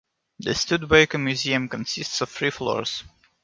The Studebaker museum consists of three floors.